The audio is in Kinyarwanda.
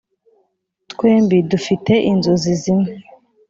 twembi dufite inzozi zimwe.